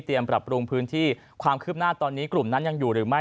ปรับปรุงพื้นที่ความคืบหน้าตอนนี้กลุ่มนั้นยังอยู่หรือไม่